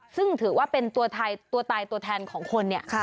ซึ่งถือว่าเป็นตัวตายตัวแทนของคนเนี่ย